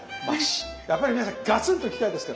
やっぱり皆さんガツンといきたいですからね。